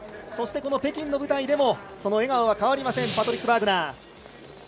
そして、北京の舞台でもその笑顔は変わりませんパトリック・バーグナー。